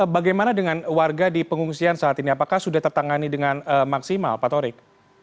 bagaimana dengan warga di pengungsian saat ini apakah sudah tertangani dengan maksimal pak torik